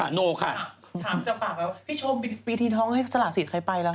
ถามจากปากมาแล้วพี่ชมปีทีท้องให้ศละศิษฐ์ใครไปละครับ